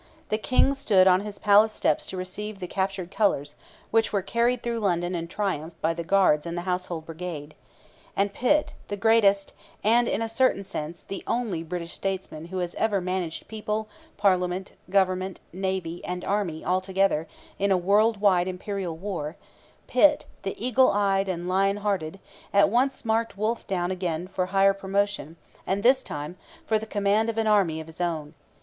The king stood on his palace steps to receive the captured colours, which were carried through London in triumph by the Guards and the Household Brigade. And Pitt, the greatest and, in a certain sense, the only British statesman who has ever managed people, parliament, government, navy, and army, all together, in a world wide Imperial war Pitt, the eagle eyed and lion hearted, at once marked Wolfe down again for higher promotion and, this time, for the command of an army of his own.